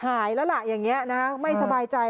หายแล้วล่ะอย่างนี้นะฮะไม่สบายใจ